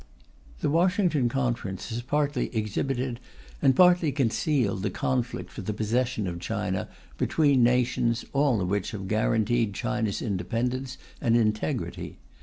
The Washington Conference has partly exhibited and partly concealed the conflict for the possession of China between nations all of which have guaranteed China's independence and integrity.